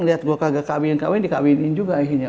lihat gue kagak kawin kawin dikawinin juga akhirnya